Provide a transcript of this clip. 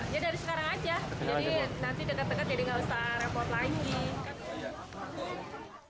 ya dari sekarang aja jadi nanti dekat dekat jadi nggak usah repot lagi